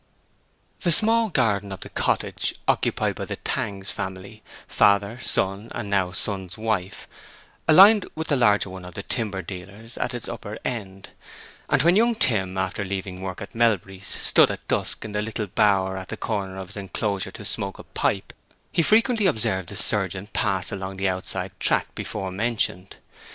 The small garden of the cottage occupied by the Tangs family—father, son, and now son's wife—aligned with the larger one of the timber dealer at its upper end; and when young Tim, after leaving work at Melbury's, stood at dusk in the little bower at the corner of his enclosure to smoke a pipe, he frequently observed the surgeon pass along the outside track before mentioned.